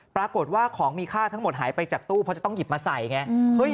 ปรากฏว่าของมีค่าทั้งหมดหายไปจากตู้เพราะจะต้องหยิบมาใส่ไง